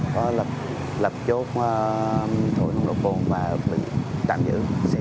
có lập chốt thổi nông độc bồn và bị tạm giữ